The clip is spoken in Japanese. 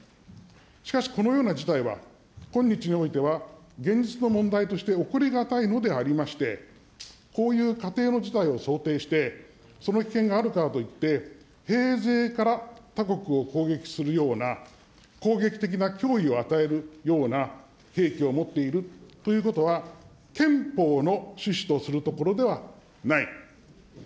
しかしこのような事態は、今日においては、現実の問題として起こりがたいのでありまして、こういう仮定の事態を想定して、その危険があるからといって、平生から他国を攻撃するような、攻撃的な脅威を与えるような兵器を持っているということは、憲法の趣旨とするところではない。